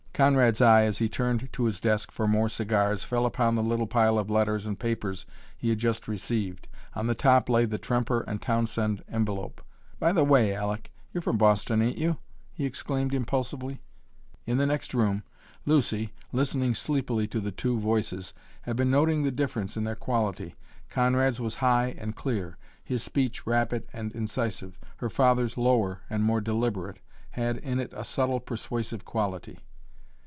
Conrad's eye, as he turned to his desk for more cigars, fell upon the little pile of letters and papers he had just received. On the top lay the Tremper & Townsend envelope. "By the way, Aleck, you're from Boston, ain't you?" he exclaimed impulsively. In the next room, Lucy, listening sleepily to the two voices, had been noting the difference in their quality. Conrad's was high and clear, his speech rapid and incisive. Her father's, lower and more deliberate, had in it a subtle, persuasive quality.